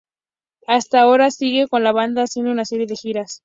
Hasta ahora sigue con la banda haciendo una serie de giras.